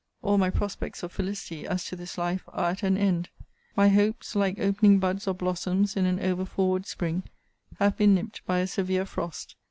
All my prospects of felicity, as to this life, are at an end. My hopes, like opening buds or blossoms in an over forward spring, have been nipt by a severe frost!